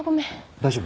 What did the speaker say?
大丈夫？